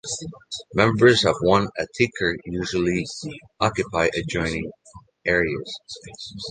Members of one Ateker usually occupy adjoining areas.